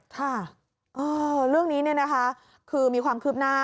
ค่ะเรื่องนี้คือมีความคืบหน้า